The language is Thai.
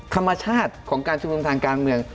ธรรมชาติของการชุมนุมทางการเมือง